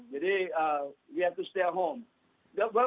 jadi kita harus tetap di rumah